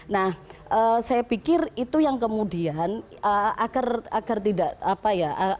nah saya pikir itu yang kemudian agar tidak apa ya